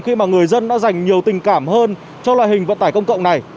khi mà người dân đã dành nhiều tình cảm hơn cho loại hình vận tải công cộng này